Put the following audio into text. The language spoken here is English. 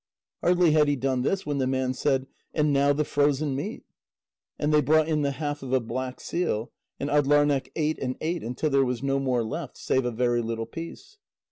Hardly had he done this when the man said: "And now the frozen meat." And they brought in the half of a black seal. And Atdlarneq ate and ate until there was no more left, save a very little piece.